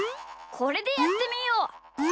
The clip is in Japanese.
これでやってみよう！